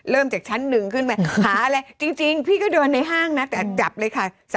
เริ่มจากชั้นหนึ่งขึ้นไปหาแล้วจริงพี่ก็เดินในห้างนะแต่จับเลยค่ะ